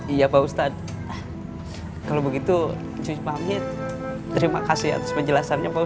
ia bahasan kalau begitu cuci pamit terima kasih atas penjelasannya mau